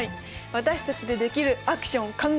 私たちでできるアクションを考えましょう。